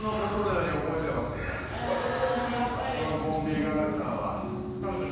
このボンビーガールさんは。